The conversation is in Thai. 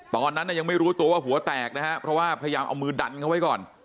ตอนนั้นยังไม่รู้ตัวว่าหัวแตกนะฮะเพราะว่าพยายามเอามือดันเขาไว้ก่อน